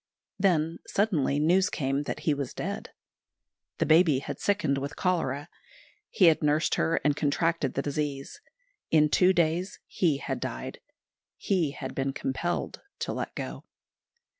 Then suddenly news came that he was dead. The baby had sickened with cholera. He had nursed her and contracted the disease. In two days he had died. He had been compelled to let go.